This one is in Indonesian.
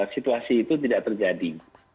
situasi itu tidak terjadi